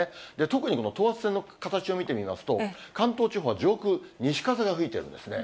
特にこの等圧線の形を見てみますと、関東地方は上空、西風が吹いているんですね。